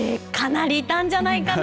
かなりいたんじゃないかな。